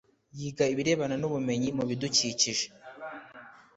Yiga ibirebana n’ubumenyi mu bidukikije